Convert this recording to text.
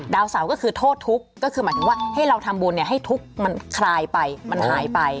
ดาวเสาก็คือโทษทุกข์ก็คือหมายถึงว่าให้เราทำบุญให้ทุกข์มันคลายไปมันหายไป